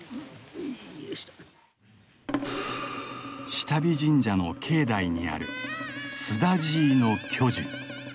志多備神社の境内にあるスダジイの巨樹。